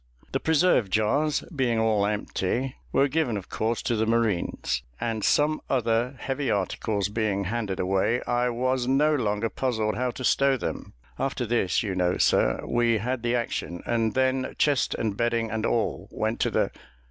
The preserve jars, being all empty, were given of course to the marines; and some other heavy articles being handed away, I was no longer puzzled how to stow them. After this, you know, sir, we had the action, and then chest and bedding and all went to the